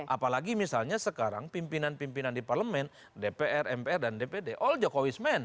apalagi misalnya sekarang pimpinan pimpinan di parlemen dpr mpr dan dpd all jokowismen